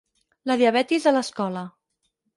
La diabetis a l'escola.